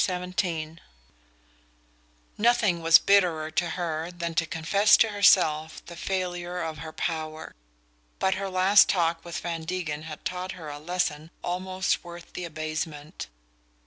XVII Nothing was bitterer to her than to confess to herself the failure of her power; but her last talk with Van Degen had taught her a lesson almost worth the abasement.